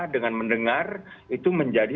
dengan mendengar itu menjadi